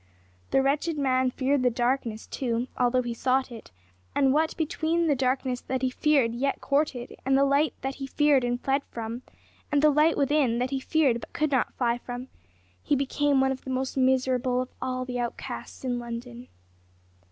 The wretched man feared the darkness, too, although he sought it, and what between the darkness that he feared yet courted, and the light that he feared and fled from, and the light within that he feared but could not fly from, he became one of the most miserable of all the outcasts in London.